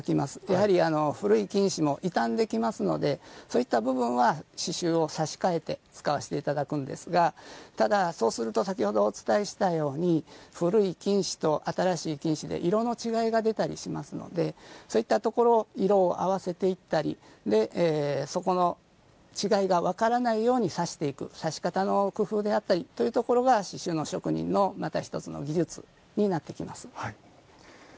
やはり古い金糸も傷んできますのでそういった部分は刺しゅうを差し替えて使わせていただくんですがただそうすると先ほどお伝えしたように古い金糸と、新しい金糸で色の違いが出たりしますのでそういったところ色を合わせていったりそこの違いが分からないように刺していく刺し方の工夫であったりが刺しゅうの職人のまた１つの技術になってきます。